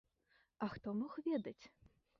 А хто мог ведаць?